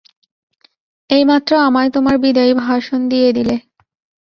এইমাত্র আমায় তোমার বিদায়ী ভাষণ দিয়ে দিলে।